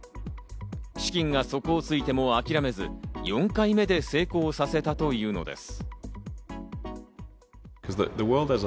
資金が底をついても諦めず４回目で成功させたというのです。